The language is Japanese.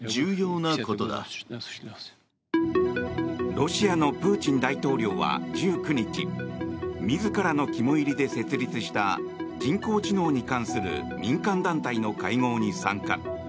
ロシアのプーチン大統領は１９日自らの肝煎りで設立した人工知能に関する民間団体の会合に参加。